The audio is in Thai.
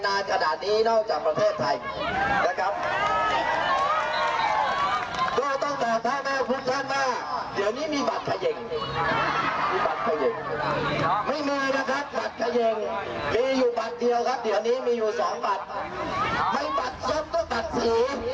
ไม่มีบัตรชบก็บัตรสี่